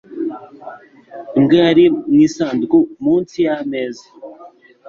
Imbwa yari mu isanduku munsi yameza.